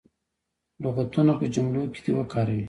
لغتونه په جملو کې دې وکاروي.